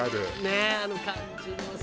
ねえあの感じのさ。